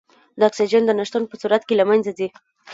د اکسیجن د نه شتون په صورت کې له منځه ځي.